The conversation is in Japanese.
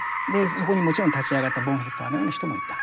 そこにもちろん立ち上がったボンヘッファーのような人もいた。